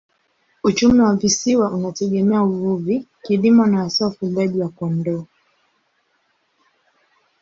Uchumi wa visiwa unategemea uvuvi, kilimo na hasa ufugaji wa kondoo.